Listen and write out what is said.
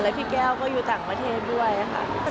พี่แก้วก็อยู่ต่างประเทศด้วยค่ะ